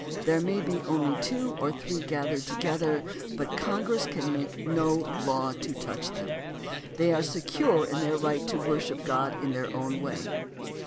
There may be only two or three gathered together, but Congress can make no law to touch them. They are secure in their right to worship God in their own way.